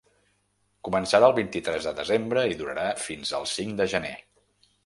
Començarà el vint-i-tres de desembre i durarà fins al cinc de gener.